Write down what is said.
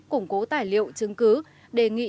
củng cố tài liệu chứng cứ đề nghị